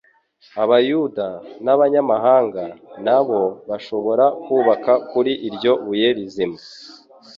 Abayuda n'abanyamahanga na bo bashobora kubaka kuri iryo buye rizima.